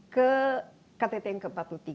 ke ktt yang ke empat puluh tiga